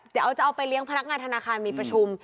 เดี๋ยวเอาจะเอาไปเลี้ยงพนักงานธนาคารมีประชุม